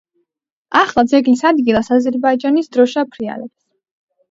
ახლა ძეგლის ადგილას აზერბაიჯანის დროშა ფრიალებს.